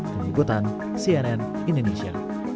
dengan ikutan cnn indonesia